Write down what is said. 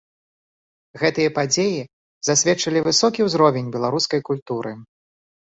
Гэтыя падзеі засведчылі высокі ўзровень беларускай культуры.